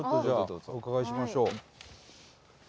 じゃあお伺いしましょう。